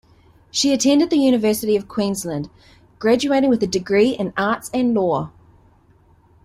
She attended the University of Queensland, graduating with a degree in arts and law.